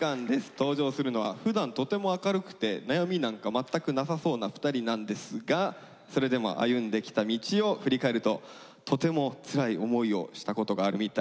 登場するのはふだんとても明るくて悩みなんか全くなさそうな２人なんですがそれでも歩んできた道を振り返るととてもつらい思いをしたことがあるみたいです。